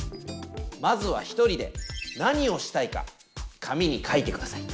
まずは１人で何をしたいか紙に書いてください。